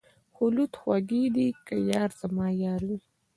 خلوت خوږ دی که یار زما یار وي.